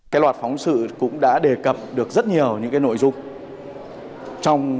cái loạt phóng sự cũng đã đề cập được rất nhiều những cái nội dung